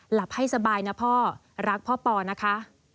หลับให้สบายนะพ่อรักพ่อปอนะคะ